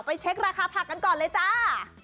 เช็คราคาผักกันก่อนเลยจ้า